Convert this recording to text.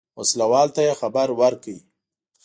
اوسلوال ته یې خبر ورکړ.